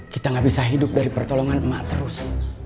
kita gak bisa hidup dari pertolongan emak terus